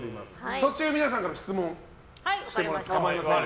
途中、皆さんから質問してもらって構いません。